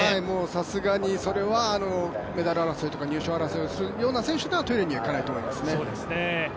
さすがにそれはメダル争い、入賞争いをするような選手はトイレには行かないと思いますね。